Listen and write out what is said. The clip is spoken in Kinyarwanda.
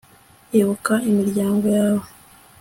ibuka imiryango yawe